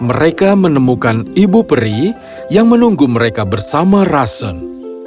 dan mereka menemukan ibu peri yang menunggu mereka bersama rassen